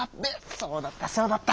そうだったそうだった。